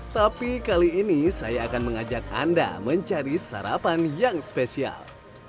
tapi kali ini saya akan mengajak anda mencari sarapan yang spesial